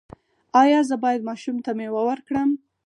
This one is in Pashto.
ایا زه باید ماشوم ته میوه ورکړم؟